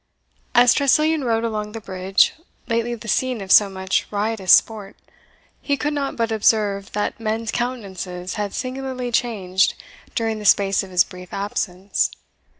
As Tressilian rode along the bridge, lately the scene of so much riotous sport, he could not but observe that men's countenances had singularly changed during the space of his brief absence.